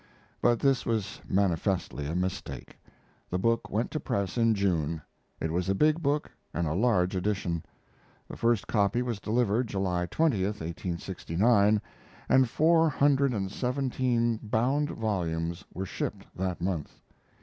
But this was manifestly a mistake. The book went to press in June. It was a big book and a large edition. The first copy was delivered July 20 (1869), and four hundred and seventeen bound volumes were shipped that month.